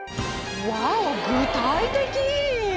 ワオ具体的！